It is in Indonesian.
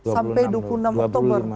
sembilan belas sampai dua puluh enam oktober